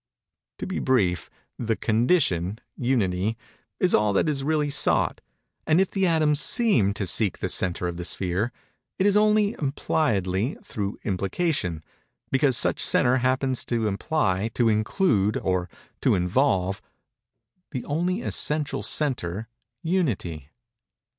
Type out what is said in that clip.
To be brief, the condition, Unity, is all that is really sought; and if the atoms seem to seek the centre of the sphere, it is only impliedly, through implication—because such centre happens to imply, to include, or to involve, the only essential centre, Unity.